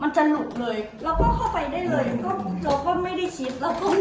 มันจะหลุดเลยเราก็เข้าไปได้เลยก็เราก็ไม่ได้คิด